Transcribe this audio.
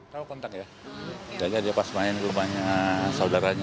bagus yang tadi yang odp tadi saya odp ya